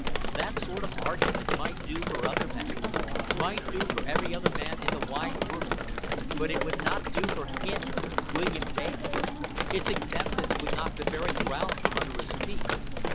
That sort of argument might do for other men might do for every other man in the wide world but it would not do for him, William Dale. Its acceptance would knock the very ground from under his feet.